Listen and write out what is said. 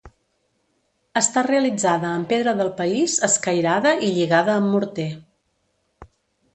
Està realitzada amb pedra del país escairada i lligada amb morter.